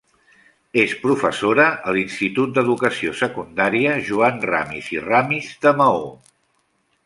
És professora a l'Institut d'Educació Secundària Joan Ramis i Ramis de Maó.